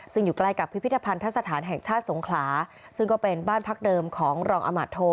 ซึ่งอยู่ใกล้กับพิพิธภัณฑสถานแห่งชาติสงขลาซึ่งก็เป็นบ้านพักเดิมของรองอมาตโท